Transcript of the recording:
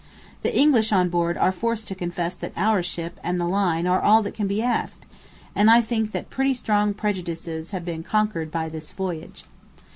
The English on board are forced to confess that our ship and the line are all that can be asked, and I think that pretty strong prejudices have been conquered by this voyage.